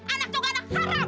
anak juga anak haram